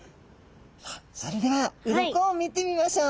さあそれでは鱗を見てみましょう。